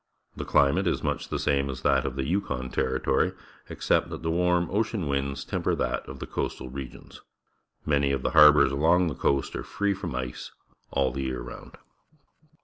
The chmate is much the same as that of the Yukon Territory, except that the warm ocean winds temper that of the coastal regions. Many of the harbours along the coast are free from ice all the year round.